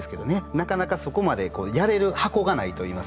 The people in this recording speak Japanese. なかなかそこまでやれる箱がないといいますか。